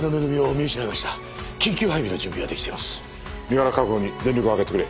身柄確保に全力を挙げてくれ。